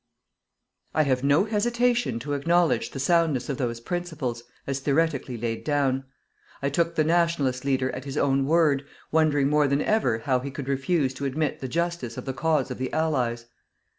I have no hesitation to acknowledge the soundness of those principles, as theoretically laid down. I took the "Nationalist" leader at his own word, wondering more than ever how he could refuse to admit the justice of the cause of the Allies.